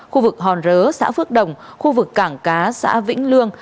khu vực hòn rớ xã phước đồng khu vực cảng cá xã vĩnh lương